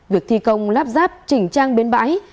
việc thi công lắp ráp chỉnh trang biến bãi